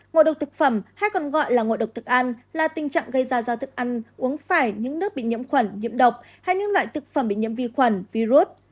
ngộ độc thực phẩm hay còn gọi là ngộ độc thực ăn là tình trạng gây ra do thức ăn uống phải những nước bị nhiễm khuẩn nhiễm độc hay những loại thực phẩm bị nhiễm vi khuẩn virus